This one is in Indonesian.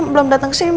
belum dateng kesini